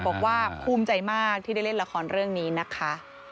บอกว่าภูมิใจมากที่ได้เล่นละครเรื่องนี้นะคะ